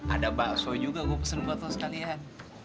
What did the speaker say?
ada bakso juga gue pesen buat lo sekalian